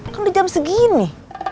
kan udah jam segini